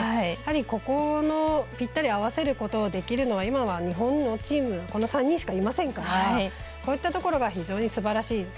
やはり、ここの、ぴったり合わせることができるのは今は日本のチームこの３人しかいませんからこういったところが非常にすばらしい。